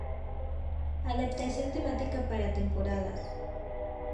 Adaptación temática para temporadas.